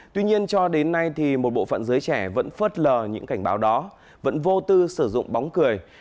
tuy nhiên cho đến nay thì một bộ phận giới trẻ vẫn phớt lờ những cảnh báo đó vẫn vô tư sử dụng bóng cười